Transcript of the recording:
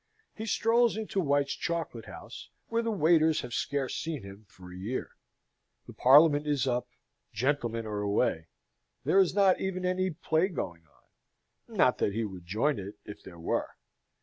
He strolls into White's Chocolate House, where the waiters have scarce seen him for a year. The parliament is up. Gentlemen are away; there is not even any play going on: not that he would join it, if there were.